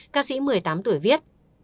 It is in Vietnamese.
các sĩ một mươi tám tuổi viết